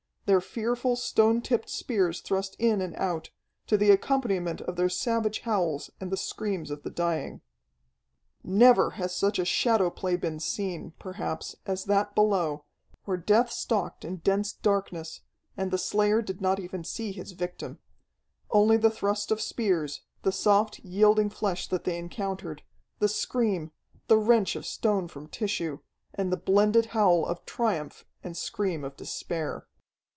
Their fearful stone tipped spears thrust in and out, to the accompaniment of their savage howls and the screams of the dying. Never has such a shadow play been seen, perhaps, as that below, where death stalked in dense darkness, and the slayer did not even see his victim. Only the thrust of spears, the soft, yielding flesh that they encountered, the scream, the wrench of stone from tissue, and the blended howl of triumph and scream of despair.